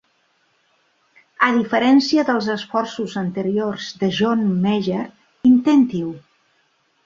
A diferència dels esforços anteriors de John Mayer, intenti-ho!